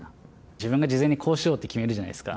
自分が事前にこうしようって決めるじゃないですか。